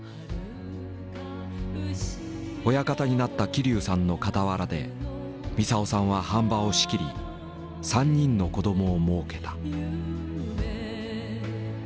親方になった桐生さんの傍らでみさをさんは飯場を仕切り３人の子供をもうけた。